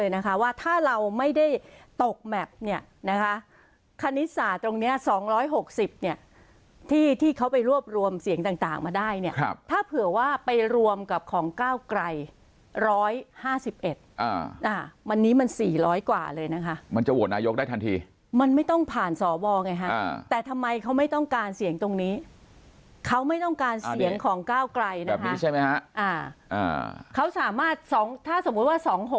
เนี้ยที่ที่เขาไปรวบรวมเสียงต่างต่างมาได้เนี้ยครับถ้าเผื่อว่าไปรวมกับของเก้าไกรร้อยห้าสิบเอ็ดอ่าอ่าวันนี้มันสี่ร้อยกว่าเลยนะคะมันจะโหวตนายกได้ทันทีมันไม่ต้องผ่านสอวอไงฮะอ่าแต่ทำไมเขาไม่ต้องการเสียงตรงนี้เขาไม่ต้องการเสียงของเก้าไกรนะคะแบบนี้ใช่ไหมฮะอ่าอ่าเขาสามารถสองถ้าสมม